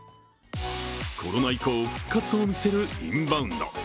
コロナ以降、復活を見せるインバウンド。